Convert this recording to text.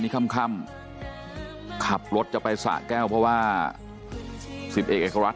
นี่ค่ำขับรถจะไปสะแก้วเพราะว่าสิบเอกเอกรัฐ